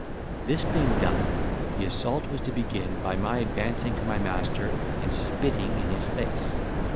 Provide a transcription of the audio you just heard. This being done, the assault was to be begun by my advancing to my master and spitting in his face.